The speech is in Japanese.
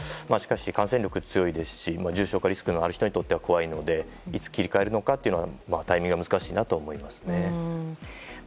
しかし感染力が強いし重症化リスクがある人にとっては怖いのでいつ切り替えるのかというのはタイミングが難しいなと思いますね。